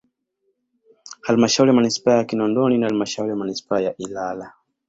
Halmashauri ya Manispaa ya Kinondoni na Halmashauri ya Manispaa ya Ilala